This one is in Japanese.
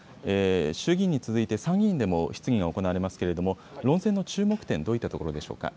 衆議院に続いて参議院でも質疑が行われますけれども、論戦の注目点、どういったところでしょうか。